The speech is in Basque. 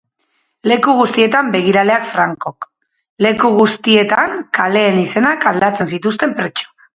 Leku guztietan begiraleak Francok, leku guztietan kaleen izenak aldatzen zituzten pertsonak.